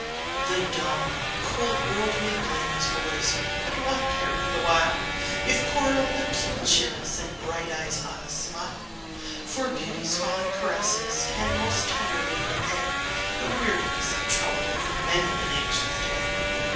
The dull, cold world may blame us, boys! but what care we the while, If coral lips will cheer us, and bright eyes on us smile? For beauty's fond caresses can most tenderly repay The weariness and trouble of many an anxious day.